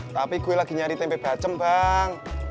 tapi gue lagi nyari tempe bacem bang